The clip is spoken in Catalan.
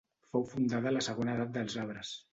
Fou fundada a la Segona Edat dels Arbres.